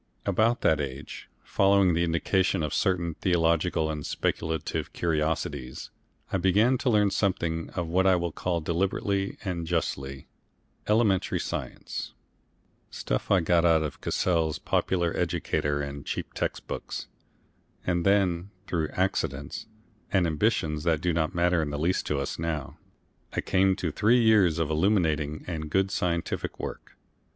About that age, following the indication of certain theological and speculative curiosities, I began to learn something of what I will call deliberately and justly, Elementary Science stuff I got out of Cassell's Popular Educator and cheap text books and then, through accidents and ambitions that do not matter in the least to us now, I came to three years of illuminating and good scientific work.